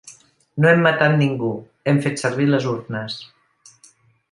No hem matat ningú, hem fet servir les urnes.